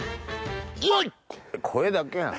声だけやん。